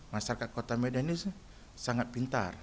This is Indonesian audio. masyarakat kota medan ini sangat pintar